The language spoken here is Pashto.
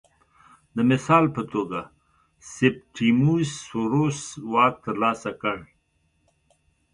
د مثال په توګه سیپټیموس سوروس واک ترلاسه کړ